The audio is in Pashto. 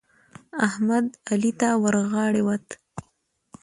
احمد؛ علي ته ورغاړه وت.